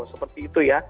seperti itu ya